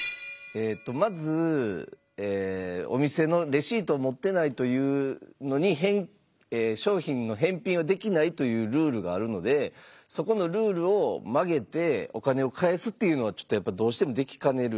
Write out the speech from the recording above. まずお店のレシートを持ってないというのに商品の返品はできないというルールがあるのでそこのルールを曲げてお金を返すっていうのはちょっとやっぱどうしてもできかねる。